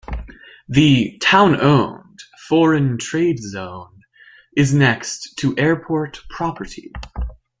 The Town-owned Foreign Trade Zone is next to airport property.